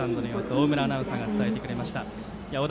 大村アナウンサーが伝えてくれました。